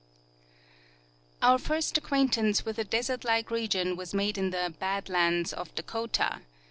Our first acquaintance with a desert like region Avas made in the " Bad La, nds " of Dakota.